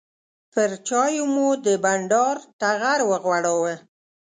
پر چایو مو د بانډار ټغر وغوړاوه.